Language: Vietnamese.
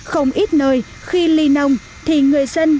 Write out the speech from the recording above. không ít nơi khi ly nông thì người dân